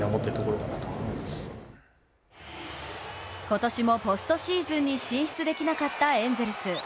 今年もポストシーズンに進出できなかったエンゼルス。